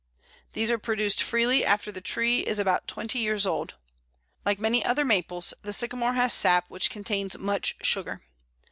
These are produced freely after the tree is about twenty years old. Like many other Maples, the Sycamore has sap which contains much sugar.